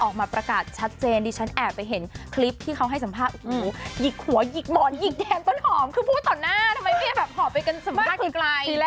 ออกมาประกาศชัดเจนดิฉันแอบไปเห็นคลิปที่เขาให้สามารถหลีกหลงหัวหลีกหมอนเหยียดทาร์นต้นหอมคือพูดต่อหน้าทำไมเฮียแบบห่อไปกันสมบัติไกล